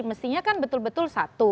mestinya kan betul betul satu